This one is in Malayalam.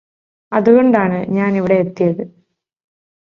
അതുകൊണ്ടാണ് ഞാനിവിടെ എത്തിയ്ത്